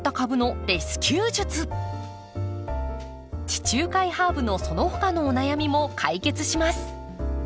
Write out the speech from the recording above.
地中海ハーブのその他のお悩みも解決します。